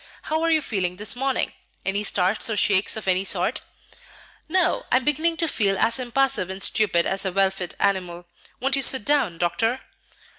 "How are you feeling this morning? Any starts or shakes of any sort?" "No; I am beginning to feel as impassive and stupid as a well fed animal. Won't you sit down, Doctor?"